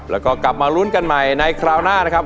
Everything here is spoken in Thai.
แล้วก็กลับมาลุ้นกันใหม่ในคราวหน้านะครับ